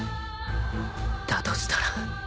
だとしたら